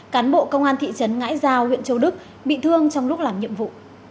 cán bộ công an thị trấn ngãi giao huyện châu đức bị thương trong lúc làm nhiệm vụ